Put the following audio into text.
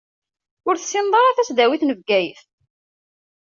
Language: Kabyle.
Ur tessineḍ ara tasdawit n Bgayet.